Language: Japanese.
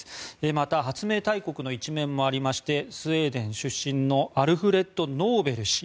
また、発明大国の一面もありましてスウェーデン出身のアルフレッド・ノーベル氏。